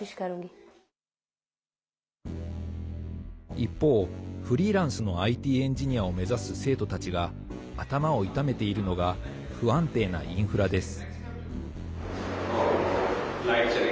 一方、フリーランスのＩＴエンジニアを目指す生徒たちが頭を痛めているのが不安定なインフラです。